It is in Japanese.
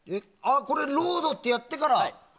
これ、ロードってやってから。